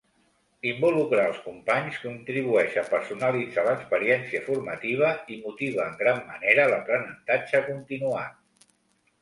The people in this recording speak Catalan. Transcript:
Involucrar els companys contribueix a personalitzar l’experiència formativa i motiva en gran manera l’aprenentatge continuat.